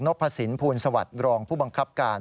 พสินภูลสวัสดิ์รองผู้บังคับการ